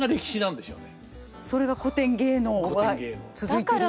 それが古典芸能は続いてる理由。